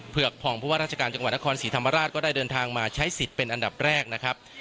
กผ่องผู้ว่าราชการจังหวัดนครศรีธรรมราชก็ได้เดินทางมาใช้สิทธิ์เป็นอันดับแรกนะครับ